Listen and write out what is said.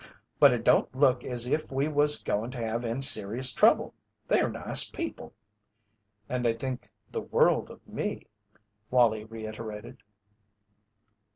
But it don't look as if we was goin' to have any serious trouble they're nice people." "And they think the world of me," Wallie reiterated.